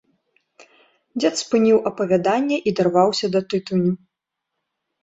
Дзед спыніў апавяданне і дарваўся да тытуню.